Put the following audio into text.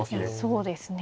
そうですね。